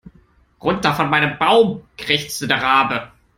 Runter von meinem Baum, krächzte der Rabe.